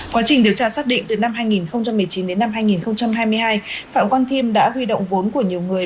quá trình điều tra xác định từ năm hai nghìn một mươi chín đến năm hai nghìn hai mươi hai phạm quang thiêm đã huy động vốn của nhiều người